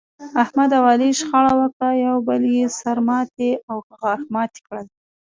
احمد او علي شخړه وکړه، یو بل یې سر ماتی او غاښ ماتی کړل.